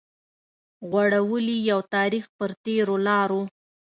غوړولي يو تاريخ پر تېرو لارو